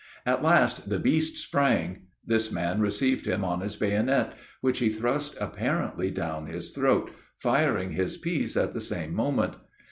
At last the beast sprang; this man received him on his bayonet, which he thrust apparently down his throat, firing his piece at the same moment.